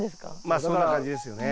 まあそんな感じですよね。